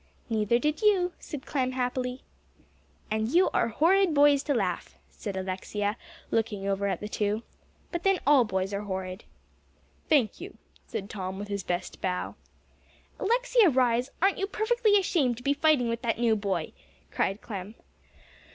"Neither did you," said Clem happily. "And you are horrid boys to laugh," said Alexia, looking over at the two. "But then, all boys are horrid." "Thank you," said Tom, with his best bow. "Alexia Rhys, aren't you perfectly ashamed to be fighting with that new boy?" cried Clem.